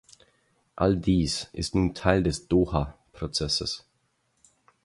All dies ist nun Teil des Doha-Prozesses.